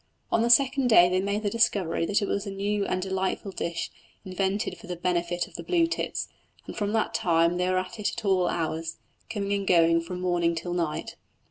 On the second day they made the discovery that it was a new and delightful dish invented for the benefit of the blue tits, and from that time they were at it at all hours, coming and going from morning till night.